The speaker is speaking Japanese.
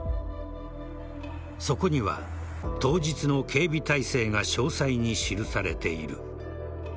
そこには当日の警備態勢が詳細に記されている。